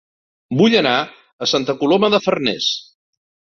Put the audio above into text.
Vull anar a Santa Coloma de Farners